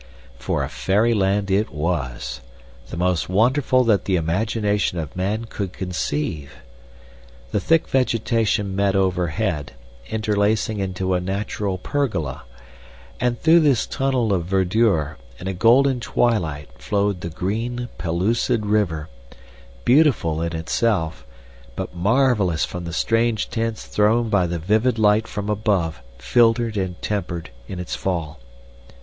For a fairyland it was the most wonderful that the imagination of man could conceive. The thick vegetation met overhead, interlacing into a natural pergola, and through this tunnel of verdure in a golden twilight flowed the green, pellucid river, beautiful in itself, but marvelous from the strange tints thrown by the vivid light from above filtered and tempered in its fall.